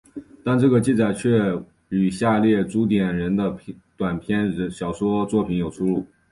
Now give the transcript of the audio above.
但这个记载却与下列朱点人的短篇小说作品有出入。